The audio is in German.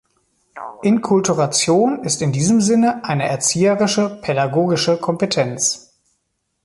Inkulturation ist in diesem Sinne eine erzieherische, pädagogische Kompetenz.